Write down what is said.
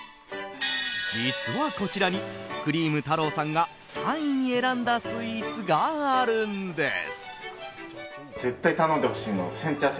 実は、こちらにクリーム太朗さんが３位に選んだスイーツがあるんです。